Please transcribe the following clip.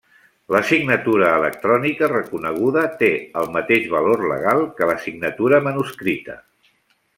La signatura electrònica reconeguda té el mateix valor legal que la signatura manuscrita.